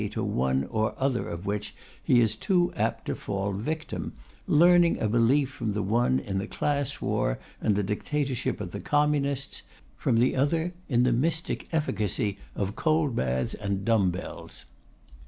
to one or other of which he is too apt to fall a victim, learning a belief from the one in the class war and the dictatorship of the communists, from the other in the mystic efficacy of cold baths and dumb bells.